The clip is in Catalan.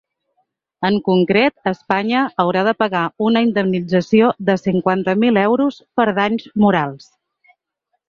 En concret, Espanya haurà de pagar una indemnització de cinquanta mil euros per danys morals.